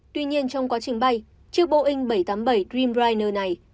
tuy nhiên trong quá trình bay chiếc boeing bảy trăm tám mươi bảy dreamliner này